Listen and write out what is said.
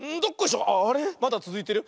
まだつづいてるよ。